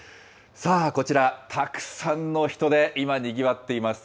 さあ、こちら、たくさんの人で今、にぎわっています。